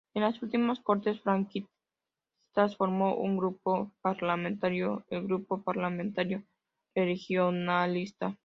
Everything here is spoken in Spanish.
En las últimas Cortes franquistas formó un grupo parlamentario, el Grupo Parlamentario Regionalista.